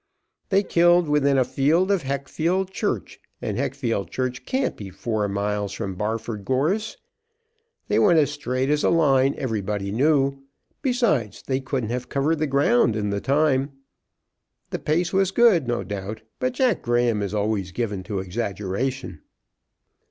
They killed within a field of Heckfield church, and Heckfield church can't be four miles from Barford Gorse. That they went as straight as a line everybody knew. Besides, they couldn't have covered the ground in the time. The pace was good, no doubt; but Jacky Graham is always given to exaggeration."